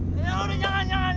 udah udah jangan jangan